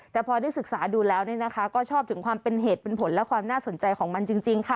แต่พอได้ศึกษาดูแล้วก็ชอบถึงความเป็นเหตุเป็นผลและความน่าสนใจของมันจริงค่ะ